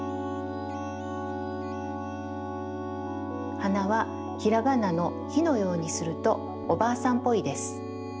はなはひらがなの「ひ」のようにするとおばあさんっぽいです。